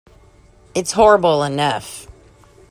It's horrible enough.